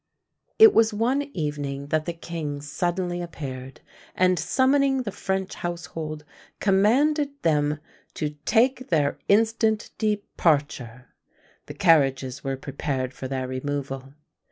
It was one evening that the king suddenly appeared, and, summoning the French household, commanded them to take their instant departure the carriages were prepared for their removal.